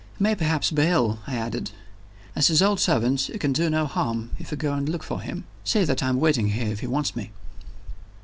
"He may perhaps be ill," I added. "As his old servant, you can do no harm if you go and look for him. Say that I am waiting here, if he wants me."